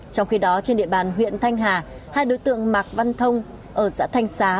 trong khi đó trên địa bàn huyện thanh hà hai đối tượng mạc văn thông ở xã thanh xá